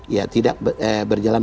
ya tidak berjalan